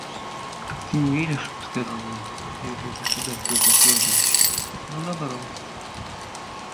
«Так ты не веришь, – сказал он, – чтоб я был государь Петр Федорович? Ну, добро.